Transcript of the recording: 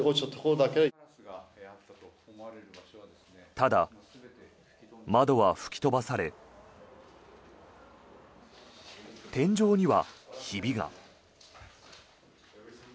ただ、窓は吹き飛ばされ天井にはひびが。